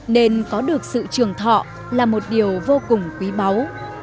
nên có được sự trường thọ là một điều vô cùng quý báu